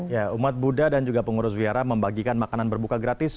ya umat buddha dan juga pengurus wihara membagikan makanan berbuka gratis